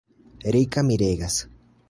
Rika miregas.